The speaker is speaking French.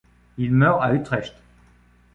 Il meurt à Utrecht.